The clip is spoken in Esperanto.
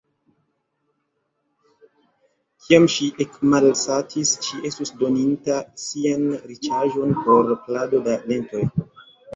Kiam ŝi ekmalsatis, ŝi estus doninta sian riĉaĵon por plado da lentoj.